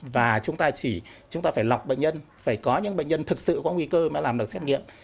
và chúng ta chỉ chúng ta phải lọc bệnh nhân phải có những bệnh nhân thực sự có nguy cơ mà làm được xét nghiệm